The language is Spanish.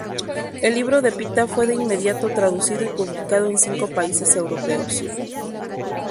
El libro de Pita fue de inmediato traducido y publicado en cinco países europeos.